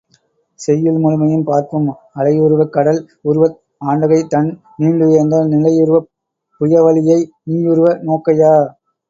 செய்யுள் முழுமையும் பார்ப்போம் அலையுருவக் கடல் உருவத் ஆண்டகை தன் நீண்டுயர்ந்த நிலையுருவப் புயவலியை நீ யுருவ நோக்கையா?